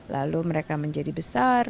lalu mereka menjadi besar